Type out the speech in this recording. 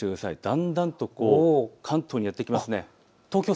だんだんと関東にやって来ますね。